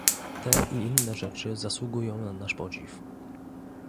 Te i inne rzeczy zasługują na nasz podziw